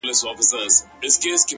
دغه خوار ملنگ څو ځايه تندی داغ کړ”